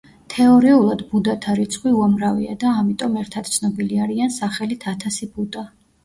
თეორიულად, ბუდათა რიცხვი უამრავია და ამიტომ ერთად ცნობილი არიან სახელით „ათასი ბუდა“.